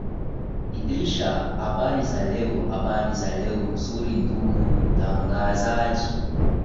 idrisha habari za leo habari za leo nzuri ndugu mtangazaji